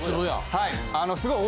はい。